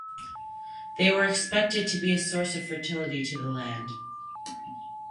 They were expected to be a source of fertility to the land.